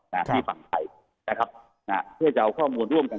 นะครับที่ฝั่งไทยนะครับอ่าเพื่อจะเอาข้อมูลร่วมกันกัน